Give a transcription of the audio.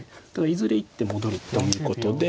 いずれ１手戻るということで。